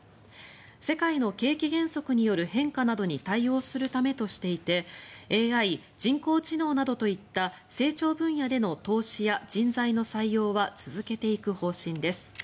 世界の景気減速による変化などに対応するためとしていてＡＩ・人工知能などといった成長分野での投資や人材の採用は続けていく方針です。